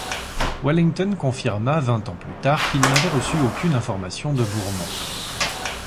Wellington confirma, vingt ans plus tard, qu'il n'avait reçu aucune information de Bourmont.